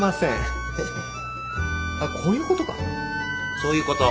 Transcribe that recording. そういうこと。